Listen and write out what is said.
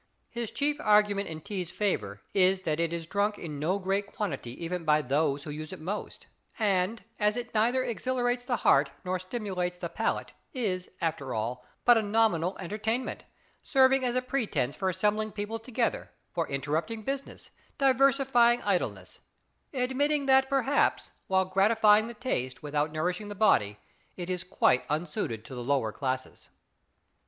His chief argument in tea's favor is that it is drunk in no great quantity even by those who use it most, and as it neither exhilarates the heart nor stimulates the palate, is, after all, but a nominal entertainment, serving as a pretence for assembling people together, for interrupting business, diversifying idleness; admitting that, perhaps, while gratifying the taste, without nourishing the body, it is quite unsuited to the lower classes.